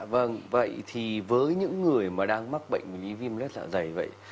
vâng vậy thì với những người mà đang mắc bệnh lý viêm lết dạ dày vậy